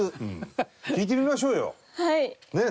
ねえ。